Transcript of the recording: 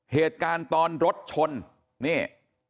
เหตุการณ์ตอนรถชนนี่